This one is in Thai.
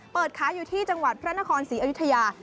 เปิดขายอยู่ที่จังหวัดพระนครศรีอยุธยา